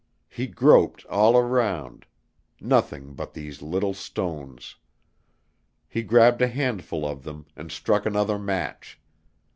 He groped all around; nothing but these little stones. He grabbed a handful of them and struck another match.